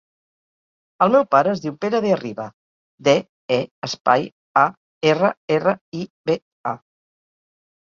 El meu pare es diu Pere De Arriba: de, e, espai, a, erra, erra, i, be, a.